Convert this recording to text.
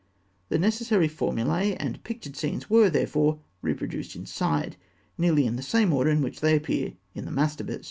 The necessary formulae and pictured scenes were, therefore, reproduced inside, nearly in the same order in which they appear in the mastabas.